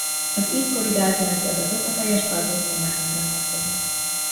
Az így korrigált lenti adatok a teljes album formátumra vonatkoznak.